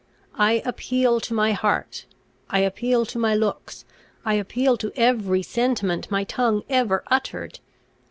I appeal to my heart I appeal to my looks I appeal to every sentiment my tongue ever uttered."